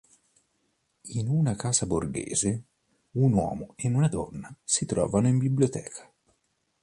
In una casa borghese, un uomo e una donna si trovano in biblioteca.